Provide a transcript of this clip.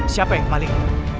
siapa yang malik